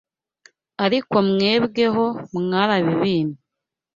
Ariko mwebweho mwarabinyimye.